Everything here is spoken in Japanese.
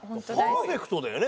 パーフェクトだよね